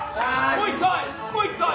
もう一回！